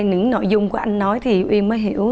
những nội dung của anh nói thì em mới hiểu